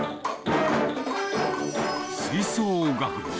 吹奏楽部。